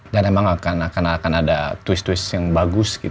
dan emang akan ada twist twist yang bagus